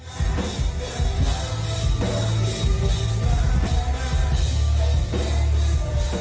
ทรงอเมฆก็พอที่แด่ล่างคนลุกกว่า